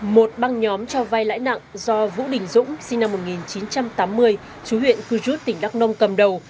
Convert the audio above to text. một băng nhóm cho vai lãi nặng do vũ đình dũng sinh năm một nghìn chín trăm tám mươi chú huyện cư rút tỉnh đắk nông cầm đầu